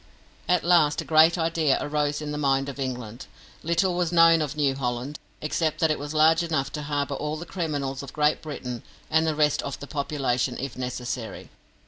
At last a great idea arose in the mind of England. Little was known of New Holland, except that it was large enough to harbour all the criminals of Great Britain and the rest of the population if necessary.